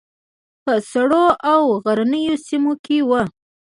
په سړو او غرنیو سیمو کې وو.